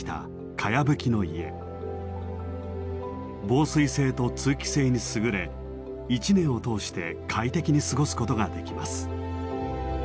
防水性と通気性に優れ一年を通して快適に過ごすことができます。